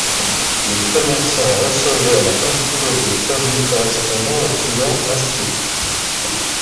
Le commerçant recevait la quantité de produits correspondant aux clients inscrits.